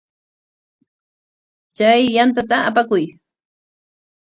Chay yantata apakuy.